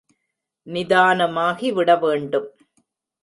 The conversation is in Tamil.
நிதானமாகி விட வேண்டும்.